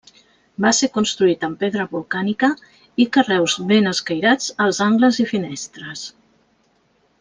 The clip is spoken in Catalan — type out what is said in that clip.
Va ser construït amb pedra volcànica i carreus ben escairats als angles i finestres.